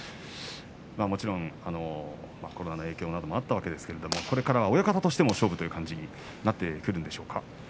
もちろんコロナの影響などもあったわけですけれどもこれから親方としても勝負という感じになってくるでしょうか。